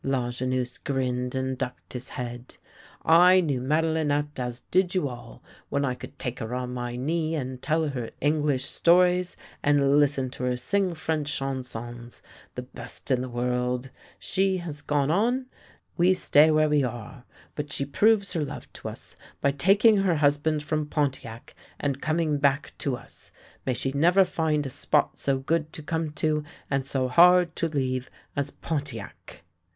Lajeunesse grinned and ducked his head. " I knew MadeHnette as did you all when I could take her on my knee and tell her Eng lish stories and listen to her sing French chansons — the best in the world. She has gone on, we stay where we are. But she proves her love to us, by taking her hus band from Pontiac and coming back to us. May she never find a spot so good to come to and so hard to leave as Pontiac!